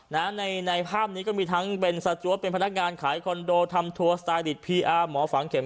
ในในภาพนี้ก็มีทั้งเป็นซาจัวเป็นพนักงานขายคอนโดทำทัวร์สไตลิตพีอาร์หมอฝังเข็ม